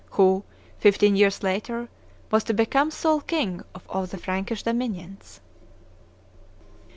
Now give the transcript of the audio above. who, fifteen years later, was to become sole king of all the Frankish dominions.